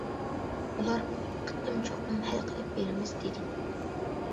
ئۇلار:« بۇ قېتىم چوقۇم ھەل قىلىپ بېرىمىز» دېدى.